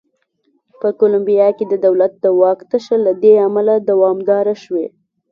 په کولمبیا کې د دولت د واک تشه له دې امله دوامداره شوې.